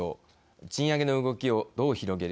賃上げの動きをどう広げる。